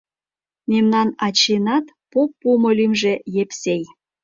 Мемнан ачийынат поп пуымо лӱмжӧ — Епсей...